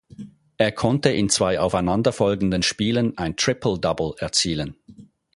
Er konnte in zwei aufeinanderfolgenden Spielen ein triple-double erzielen.